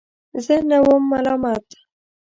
زه نه وم ملامت.